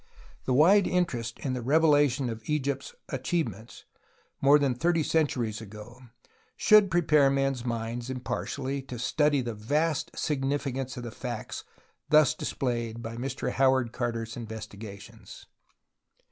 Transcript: The wide interest in the revelation of Egypt's achieve ments more than thirty centuries ago should prepare men's minds impartially to study the vast significance of the facts thus displayed by Mr Howard Carter's investigations.